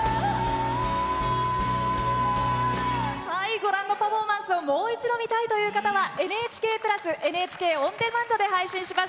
ご覧のパフォーマンスをもう一度見たいという方はＮＨＫプラスＮＨＫオンデマンドで配信します。